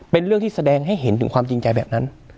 เป็นเรื่องที่แสดงให้เห็นถึงความจริงใจแบบนั้น